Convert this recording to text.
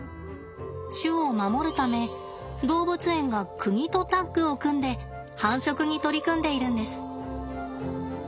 種を守るため動物園が国とタッグを組んで繁殖に取り組んでいるんです。